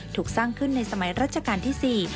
ถูกสร้างขึ้นในสมัยรัชกาลที่๔